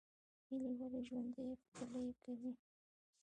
هیلې ولې ژوند ښکلی کوي؟